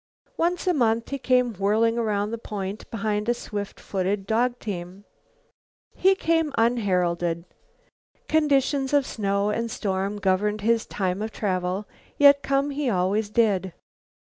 Once a month he came whirling around the point, behind a swift footed dog team. He came unheralded. Conditions of snow and storm governed his time of travel, yet come he always did.